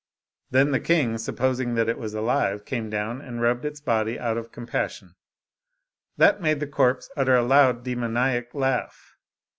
Then the king, supposing it was alive, came down and rubbed its body out of compassion; that made the corpse utter a loud demoniac laugh.